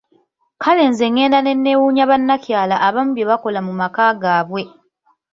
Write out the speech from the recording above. Kale nze ngenda nenneewunya bannakyala abamu bye bakola mu maka gaabwe!